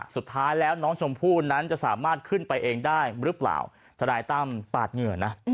สุดท้ายแล้วน้องชมพู่นั้นจะสามารถขึ้นไปเองได้หรือเปล่าทนายตั้มปาดเหงื่อนะ